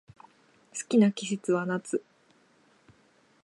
好きな季節は夏